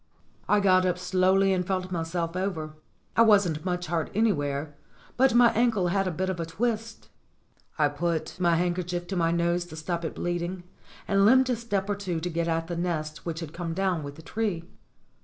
165 166 STORIES WITHOUT TEARS I got up slowly and felt myself over. I wasn't much hurt anywhere, but my ankle had a bit of a twist. I put my handkerchief to my nose to stop it bleeding, and limped a step or two to get at the nest which had come down with the tree.